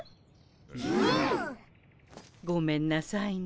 うん。ごめんなさいね。